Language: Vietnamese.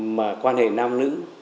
mà quan hệ nam nữ